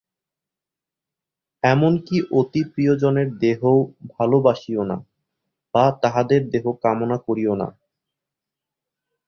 এমন কি অতি প্রিয়জনের দেহও ভালবাসিও না, বা তাহাদের দেহ কামনা করিও না।